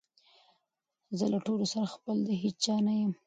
زه له ټولو سره خپل د هیچا نه یم